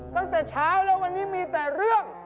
ตั้งแต่เช้าแล้ววันนี้มีแต่เรื่อง